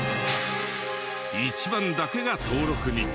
一番だけが登録に。